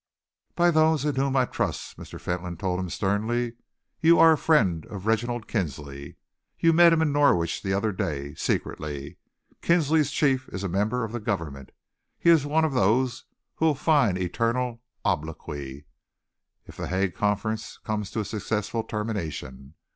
"By those in whom I trust," Mr. Fentolin told him sternly. "You are a friend of Reginald Kinsley. You met him in Norwich the other day secretly. Kinsley's chief is a member of the Government. He is one of those who will find eternal obloquy if The Hague Conference comes to a successful termination.